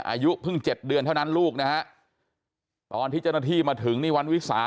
อายุเพิ่ง๗เดือนเท่านั้นลูกนะฮะตอนที่เจ้าหน้าที่มาถึงนี่วันวิสา